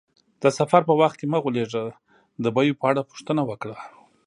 د سفر په وخت کې مه غولیږه، د بیو په اړه پوښتنه وکړه.